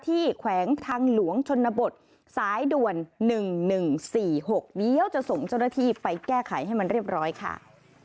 ที่แขวงทางหลวงชนบทสายด่วน๑๑๔๖เวียวจะส่งจรธิไปแก้ไขให้มันเรียบร้อยค่ะ